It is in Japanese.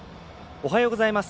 おはようございます。